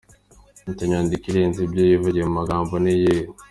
Ati “Inyandiko irenze ibyo yivugiye mu magambo ni iyihe ?’’